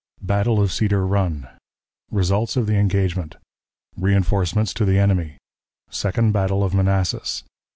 Battle of Cedar Run. Results of the Engagement. Reënforcements to the Enemy. Second Battle of Manassas.